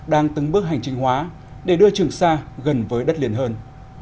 đang từng bước hành trình hóa để đưa trường xa gần với đất liền hơn